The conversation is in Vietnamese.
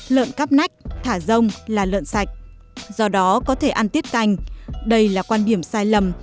lợn cắp nách thả rông là lợn sạch do đó có thể ăn tiết canh đây là quan điểm sai lầm